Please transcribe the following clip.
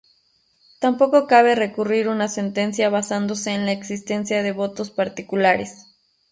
Tampoco cabe recurrir una sentencia basándose en la existencia de votos particulares.